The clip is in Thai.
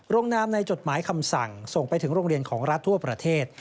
ลงนามในจดหมายคำสั่งส่งไปถึงโรงเรียนของรัฐทั่วประเทศ